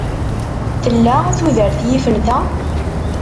Tella tudert yifen ta?